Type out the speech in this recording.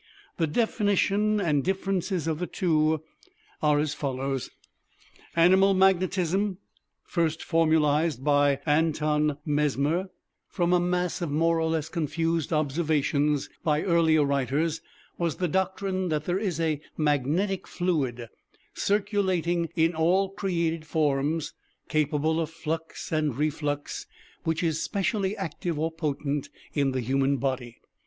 The definition and differences of the two are as follows: Animal Magnetism, first formulized by ANTON MESMER from a mass of more or less confused observations by earlier writers, was the doctrine that there is a magnetic fluid circulating in all created forms, capable of flux and reflux, which is specially active or potent in the human body.